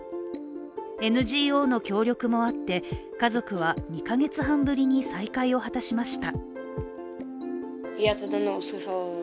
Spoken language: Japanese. ＮＧＯの協力もあって家族は２か月半ぶりに再会を果たしました。